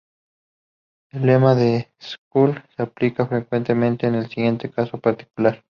El lema de Schur se aplica frecuentemente en el siguiente caso particular.